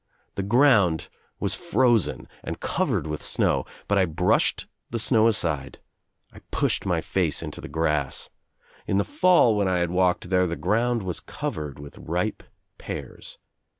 The ground was frozen and covered with snow but I brushed the snow aside. I pushed my face into the grass. In the fall when I had walked there the ground was covered with ripe pears.